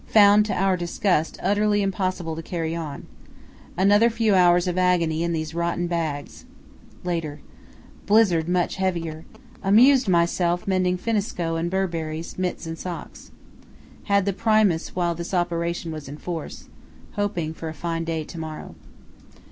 Found to our disgust utterly impossible to carry on. Another few hours of agony in these rotten bags. Later.—Blizzard much heavier. Amused myself mending finneskoe and Burberrys, mitts and socks. Had the Primus while this operation was in force. Hoping for a fine day to morrow.